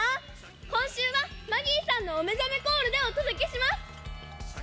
こんしゅうはマギーさんのおめざめコールでおとどけします。